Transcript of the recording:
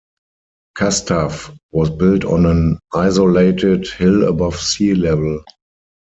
Kastav was built on an isolated hill above sea level.